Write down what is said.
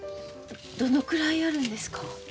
どのくらいあるんですか？